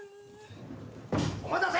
「お待たせ」